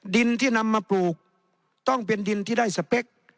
ดินที่นำมาปลูกต้องเป็นดินที่ได้สเปค